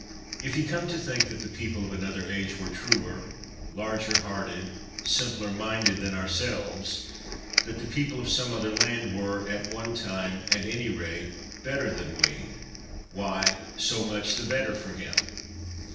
If he come to think that the people of another age were truer, larger hearted, simpler minded than our selves, that the people of some other land were, at one time, at any rate, better than we, why, so much the better for him.